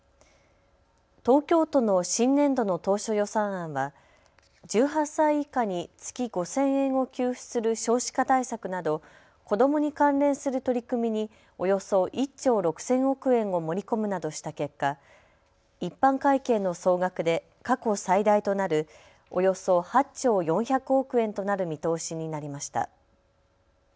東京都の新年度の当初予算案は１８歳以下に月５０００円を給付する少子化対策など子どもに関連する取り組みにおよそ１兆６０００億円を盛り込むなどした結果、一般会計の総額で過去最大となるおよそ８兆４００億円となる見通しになりました。